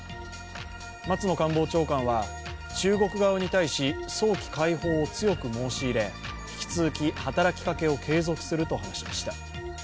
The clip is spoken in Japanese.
松野官房長官は中国側に対し早期解放を強く申し入れ引き続き働きかけを継続すると話しました。